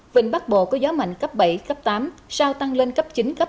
vịnh bắc bộ có gió mạnh cấp bảy cấp tám sao tăng lên cấp chín cấp một mươi một